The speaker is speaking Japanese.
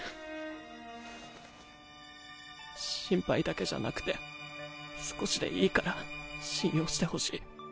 心配だけじゃなくて少しでいいから信用してほしい。